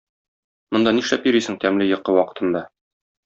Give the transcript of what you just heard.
Монда нишләп йөрисең тәмле йокы вакытында?